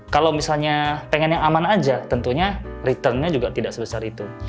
kalau misalnya pengen yang aman aja tentunya returnnya juga tidak sebesar itu